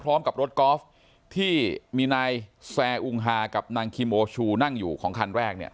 พร้อมกับรถกอล์ฟที่มีนายแซ่อุงฮากับนางคิโมชูนั่งอยู่ของคันแรกเนี่ย